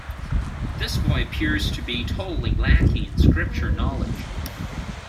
This boy appears to be totally lacking in Scripture knowledge.